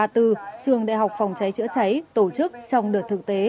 trường đại học phòng trái trễ cháy tổ chức trong đợt thực tế